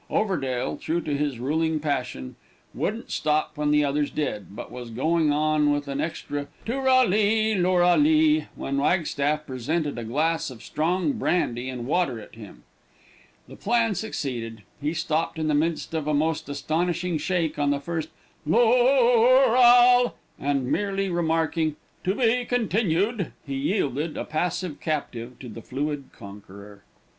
Overdale, true to his ruling passion, wouldn't stop when the others did, but was going on with an extra "tooral li, looral li," when Wagstaff presented a glass of strong brandy and water at him; the plan succeeded; he stopped in the midst of a most astonishing shake on the first "looral," and merely remarking, "To be continued," he yielded, a passive captive to the fluid conqueror.